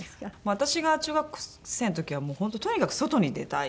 私が中学生の時はもう本当とにかく外に出たい。